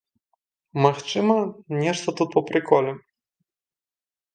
Магчыма, нешта тут па прыколе.